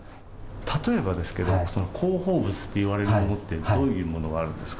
例えばですけど、広報物っていわれるものって、どういうものがあるんですか？